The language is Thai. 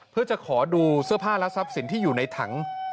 เพื่อจะขอดูเสื้อผ้าและทรัพย์สินที่อยู่ในถัง